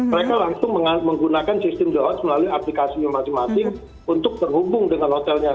mereka langsung menggunakan sistem de hot melalui aplikasi yang masing masing untuk berhubung dengan hotelnya